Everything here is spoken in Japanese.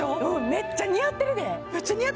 めっちゃ似合ってる！